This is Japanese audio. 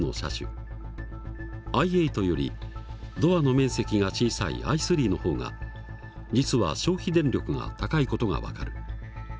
ｉ８よりドアの面積が小さいｉ３の方が実は消費電力が高い事が分かる。